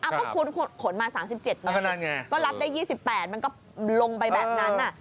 ก็คุณขนมา๓๗ไงก็รับได้๒๘มันก็ลงไปแบบนั้น